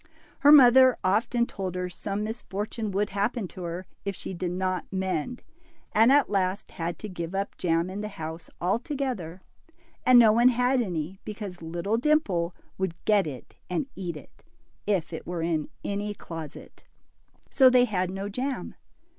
Her mother often told her some misfortune would happen to her if she did not mend, and at last had to give up jam in the house altogether, and no one had any, because little Dimple would get it and eat it, if it were in any closet. So they had no jam.